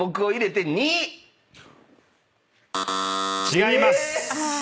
違います。